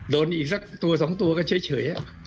โดนอีกสักตัวสองตัวก็เฉย